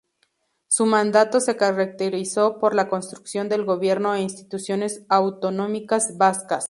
Su mandato se caracterizó por la construcción del gobierno e instituciones autonómicas vascas.